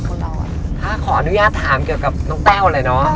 คุณรอถ้าขออนุญาตถามเกี่ยวกับน้องแต้วเลยเนอะ